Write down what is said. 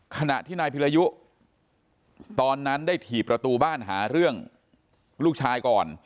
ขณะที่นายพิรยุตอนนั้นได้ถีบประตูบ้านหาเรื่องลูกชายก่อน